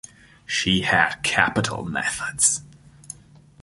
She had capital methods.